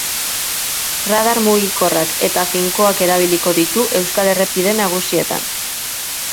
Radar mugikorrak eta finkoak erabiliko ditu euskal errepide nagusietan.